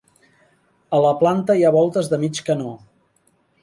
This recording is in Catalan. A la planta hi ha voltes de mig canó.